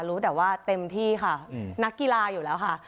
รู้แต่ว่าเต็มที่ค่ะนักกีฬาอยู่แล้วค่ะ